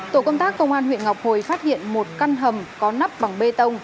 tổ công tác công an huyện ngọc hồi phát hiện một căn hầm có nắp bằng bê tông